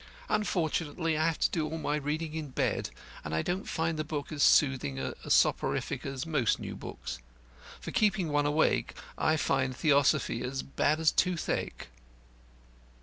Unfortunately I have to do all my reading in bed, and I don't find the book as soothing a soporific as most new books. For keeping one awake I find Theosophy as bad as toothache....'"